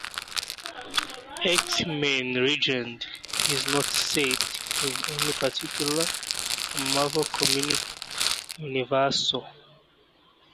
"X-Men Legends" is not set in any particular Marvel Comics universe.